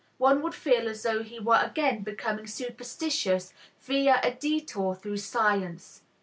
One would feel as though he were again becoming superstitious via a detour through science.